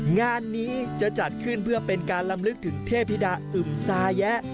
งานนี้จะจัดขึ้นเพื่อเป็นการลำลึกถึงเทพิดาอึมซาแยะ